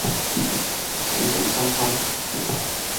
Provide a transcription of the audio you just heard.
請俾心心